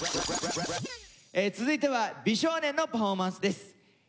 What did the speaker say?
続いては美少年のパフォーマンスです。